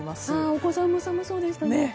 お子さんも寒そうでしたね。